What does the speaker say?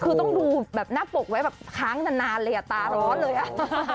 คือต้องดูแบบหน้าปกไว้แบบค้างนานเลยอ่ะตาร้อนเลยอ่ะ